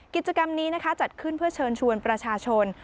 กิจกรรมนี้นะคะจัดขึ้นเพื่อเชิญชวนประชาชน